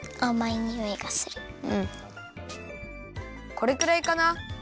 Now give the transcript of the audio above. これくらいかな？